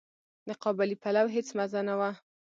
د قابلي پلو هيڅ مزه نه وه.